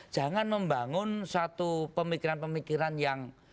jangan membangun satu pemikiran pemikiran yang